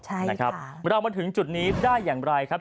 เมื่อเรามาถึงจุดนี้ได้อย่างไรครับ